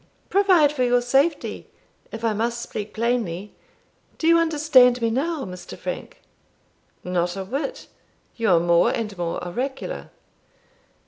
"Provide for your safety, if I must speak plainly. Do you understand me now, Mr. Frank?" "Not a whit; you are more and more oracular."